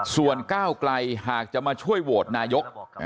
ส่วนก้าวไกลหากจะมาช่วยโหวตนายก